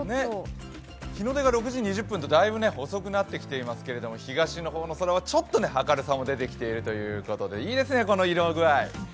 日の出が６時２９分と大分遅くなってきていますけれども、東の方の空はちょっと明るさも出てきているということでいいですね、この色具合。